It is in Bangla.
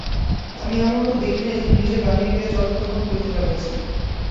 আমি এমন লোক দেখি নাই, যিনি নিজের বাহিরে গিয়া জড়কে অনুভব করিতে পারিয়াছেন।